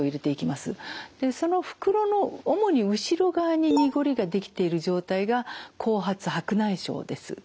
でその袋の主に後ろ側に濁りが出来てる状態が後発白内障です。